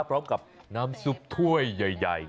พร้อมกับน้ำซุปถ้วยใหญ่